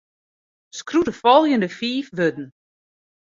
Skriuw de folgjende fiif wurden.